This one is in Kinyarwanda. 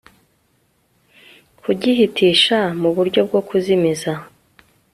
kugihitisha mu buryo bwo kuzimiza